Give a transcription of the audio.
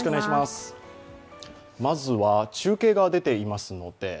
まずは中継が出ていますので。